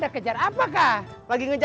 lalu nih dia vom poriya udah turun nih ya